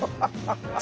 ハハハ！